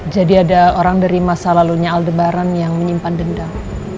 jadi ada orang dari masa lalunya aldebaran yang menyimpan dendam